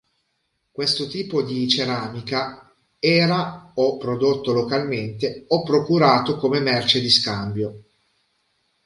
Questo tipo di ceramica era o prodotto localmente o procurato come merce di scambio.